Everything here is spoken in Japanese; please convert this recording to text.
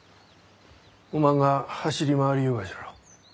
おまんが走り回りゆうがじゃろ？